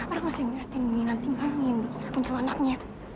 orang masih ngeratin ini nanti mami yang bikin aku jual anaknya